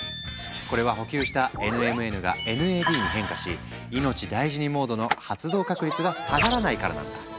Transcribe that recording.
これは補給したＮＭＮがＮＡＤに変化し「いのちだいじにモード」の発動確率が下がらないからなんだ。